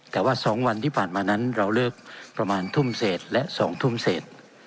แต่ว่า๒วันที่ผ่านมานั้นเราเลิกประมาณทุ่มเศษและ๒ทุ่มเศษ